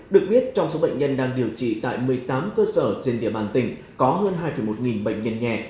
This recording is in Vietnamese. được biết trong số bệnh nhân đang điều trị tại một mươi tám cơ sở trên địa bàn tỉnh có hơn hai một nghìn bệnh nhân nhẹ